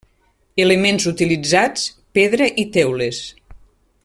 Elements utilitzats: pedra i teules.